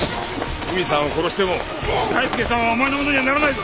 海さんを殺しても大輔さんはお前のものにはならないぞ。